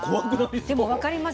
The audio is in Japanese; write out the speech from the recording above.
でも分かります。